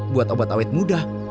buat obat awet mudah